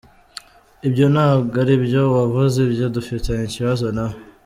Ibyo ntabwo ari byo, uwavuze ibyo dufitanye ikibazo na we.